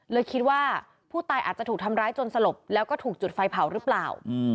เลยคิดว่าผู้ตายอาจจะถูกทำร้ายจนสลบแล้วก็ถูกจุดไฟเผาหรือเปล่า